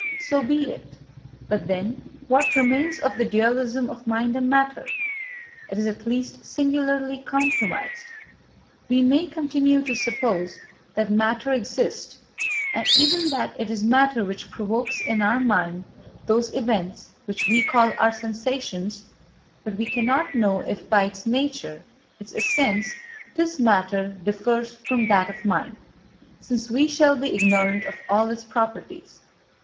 So be it. But then what remains of the dualism of mind and matter? It is at least singularly compromised. We may continue to suppose that matter exists, and even that it is matter which provokes in our mind those events which we call our sensations; but we cannot know if by its nature, its essence, this matter differs from that of mind, since we shall be ignorant of all its properties.